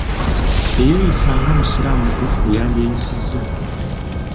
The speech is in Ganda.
Teyeeyisa nga musiramu mutuufu bwe yandyeyisiza.